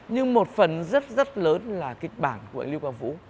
nhưng một phần rất rất lớn là kịch bản của anh lưu quang vũ